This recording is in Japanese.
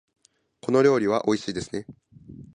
この料理はおいしいですね。